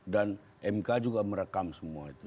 dan mk juga merekam semua itu